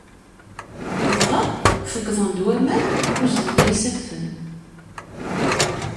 Dɣa feyyḍen-d waman, uzzlen yisaffen.